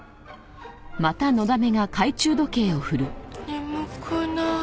眠くなる。